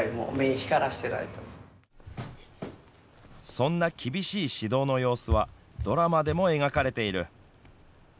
そんな厳しい指導の様子はドラマでも描かれている。